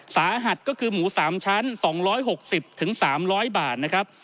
สาหัสก็คือหมู๓ชั้น๒๖๐๓๐๐บาทนะครับ